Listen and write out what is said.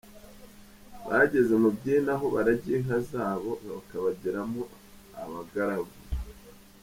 Bageze mu by’ino, aho baragiye inka zabo bakabagiramo abagaragu.